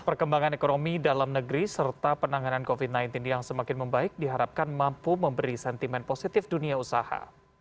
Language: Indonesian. perkembangan ekonomi dalam negeri serta penanganan covid sembilan belas yang semakin membaik diharapkan mampu memberi sentimen positif dunia usaha